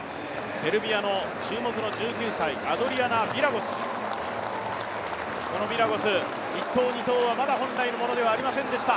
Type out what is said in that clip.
セルビアの注目の１９歳アドリアナ・ヴィラゴス、このヴィラゴス、１投、２投はまだ本来のものではありませんでした。